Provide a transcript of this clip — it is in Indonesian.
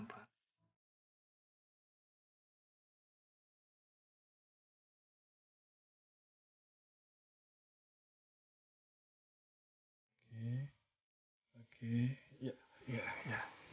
masih bisa pak alp